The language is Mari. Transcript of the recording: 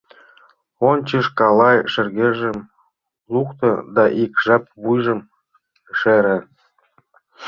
Ончыч калай шергежым лукто да ик жап вуйжым шере.